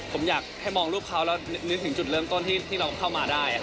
ผมอยากให้มองรูปเขาแล้วนึกถึงจุดเริ่มต้นที่เราเข้ามาได้